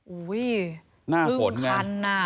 อุ้ยน่าเหมือนคันอ่ะ